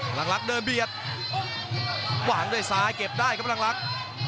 หลังลักษณ์เดินเบียดวางด้วยซ้ายเก็บได้ครับพลังลักษณ์